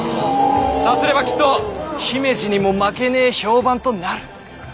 さすればきっと姫路にも負けねぇ評判となる。